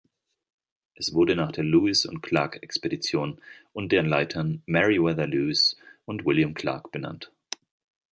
Es wurde nach der Lewis-und-Clark-Expedition und deren Leitern Meriwether Lewis und William Clark benannt.